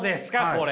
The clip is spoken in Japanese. これ。